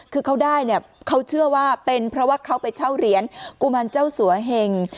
คือเขาได้เนี่ยเขาเชื่อว่าเป็นเพราะว่าเขาไปเช่าเหรียญกุมารเจ้าสัวเหง